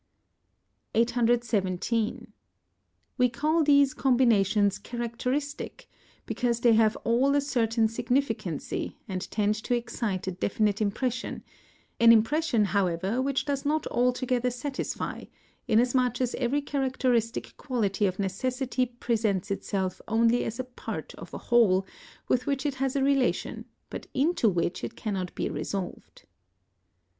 817. We call these combinations characteristic because they have all a certain significancy and tend to excite a definite impression; an impression, however, which does not altogether satisfy, inasmuch as every characteristic quality of necessity presents itself only as a part of a whole, with which it has a relation, but into which it cannot be resolved.